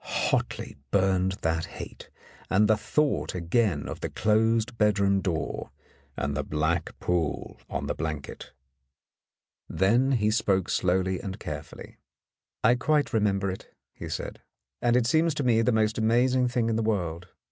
Hotly burned that hate, and he thought again of the closed bedroom door and the black pool on the blanket. Then he spoke slowly and carefully. "I quite remember it," he said, "and it seems to me the most amazing thing in the world.